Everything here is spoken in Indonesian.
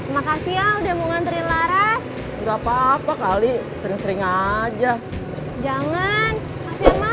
makasih ya udah mau nganterin laras enggak papa kali sering sering aja jangan